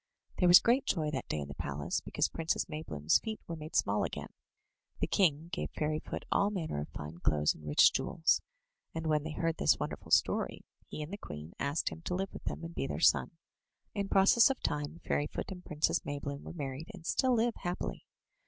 There was great joy that day in the palace because Princess Maybloom's feet were made small again. The king gave Fairy foot all manner of fine clothes alnd rich jewels; and when they heard this wonderful story, he and the queen asked him to live with them and be their son. In process of time Fairyfoot and Princess Maybloom were married, and still live happily.